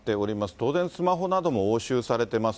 当然、スマホなども押収されてます。